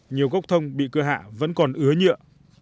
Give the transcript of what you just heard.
nhiều gốc thông bị cưa hạ vẫn còn ứa nhựa